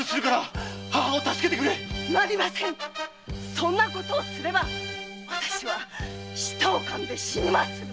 そんな事をすれば私は舌をかんで死にます